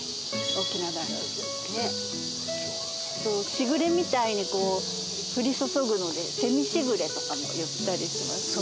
しぐれみたいにこう降り注ぐので蝉しぐれとかも言ったりします。